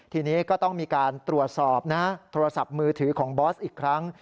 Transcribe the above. ทีนี้ก็ต้องมีการตรวจสอบนะโทรศัพท์มือถือของบอสอีกครั้ง